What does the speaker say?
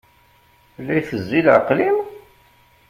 La itezzi leɛqel-im?